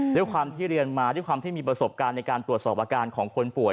ด้วยความที่เรียนมาด้วยความที่มีประสบการณ์ในการตรวจสอบอาการของคนป่วย